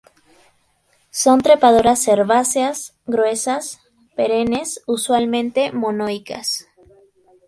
Son trepadoras herbáceas, gruesas, perennes; usualmente monoicas.